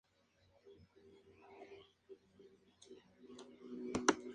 El hallazgo de un hacha paleolítica podría deberse a un poblado prehistórico.